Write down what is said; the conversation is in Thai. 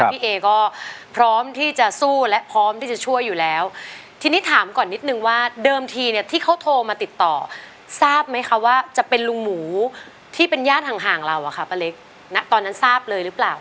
พี่เอก็พร้อมที่จะสู้และพร้อมที่จะช่วยอยู่แล้วทีนี้ถามก่อนนิดนึงว่าเดิมทีเนี่ยที่เขาโทรมาติดต่อทราบไหมคะว่าจะเป็นลุงหมูที่เป็นญาติห่างเราอะค่ะป้าเล็กณตอนนั้นทราบเลยหรือเปล่า